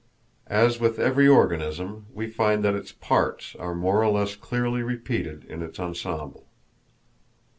As with every organism, we find that its parts are more or less clearly repeated in its ensemble.